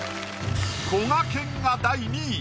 こがけんが第２位。